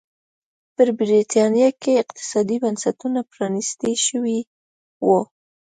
په برېټانیا کې اقتصادي بنسټونه پرانيستي شوي وو.